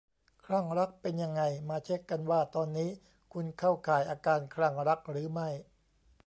คลั่งรัก เป็นยังไง มาเช็กกันว่าตอนนี้คุณเข้าข่ายอาการคลั่งรักหรือไม่